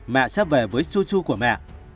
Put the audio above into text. mẹ sẽ về với su su của mẹ